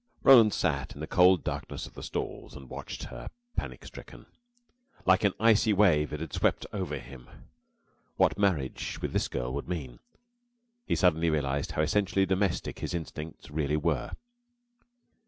Roland sat in the cold darkness of the stalls and watched her, panic stricken. Like an icy wave, it had swept over him what marriage with this girl would mean. He suddenly realised how essentially domestic his instincts really were.